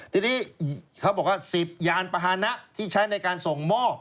ทีนี้เขาบอกว่า๑๐ยานพาหนะที่ใช้ในการส่งมอบ